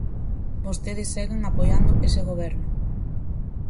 Vostedes seguen apoiando ese goberno.